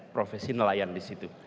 profesi nelayan disitu